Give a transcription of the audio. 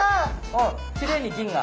おっきれいに銀が。